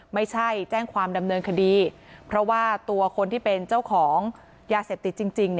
ไม่ใช่แจ้งความดำเนินคดีเพราะว่าตัวคนที่เป็นเจ้าของยาเสพติดจริง